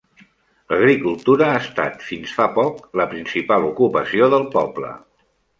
L'agricultura ha estat, fins fa poc, la principal ocupació del poble.